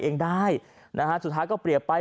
เองได้นะฮะสุดท้ายก็เปรียบไป